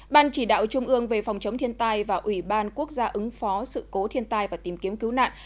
ban chỉ đạo trung ương về phòng chống thiên tai và ủy ban quốc gia ứng phó sự cố thiên tai và tìm kiếm cứu nạn